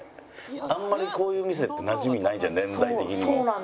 あんまりこういう店ってなじみないじゃん